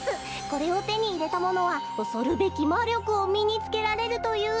これをてにいれたものはおそるべきまりょくをみにつけられるという。